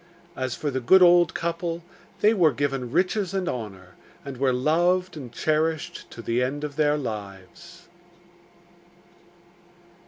As for the good old couple, they were given riches and honour, and were loved and cherished to the end of their lives.